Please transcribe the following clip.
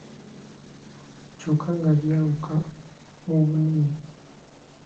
Kyokka nga byawuka mu bunene.